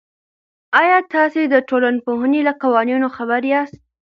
آیا تاسې د ټولنپوهنې له قوانینو خبر یاست؟